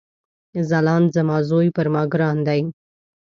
ځلاند زما ځوي پر ما ګران دی